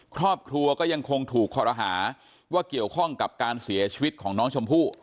ครอบครัวก็ยังคงถูกคอรหาว่าเกี่ยวข้องกับการเสียชีวิตของน้องชมพู่